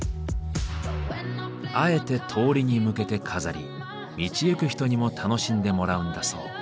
あえて通りに向けて飾り道行く人にも楽しんでもらうんだそう。